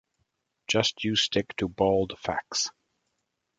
Just you stick to bald facts.